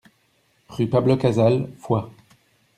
Rue Pablo Casals, Foix